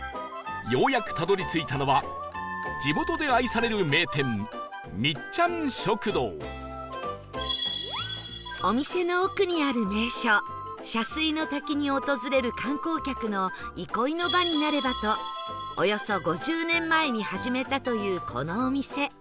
ようやくたどり着いたのは地元で愛される名店お店の奥にある名所洒水の滝に訪れる観光客の憩いの場になればとおよそ５０年前に始めたというこのお店